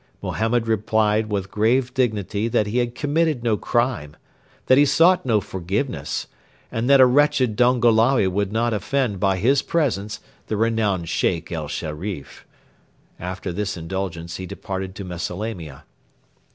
Mohammed replied with grave dignity that he had committed no crime, that he sought no forgiveness, and that 'a wretched Dongolawi' would not offend by his presence the renowned Sheikh el Sherif. After this indulgence he departed to Mesalamia.